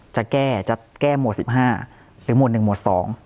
จะแก้จะแก้หมวด๑๕หรือหมวด๑หมวด๒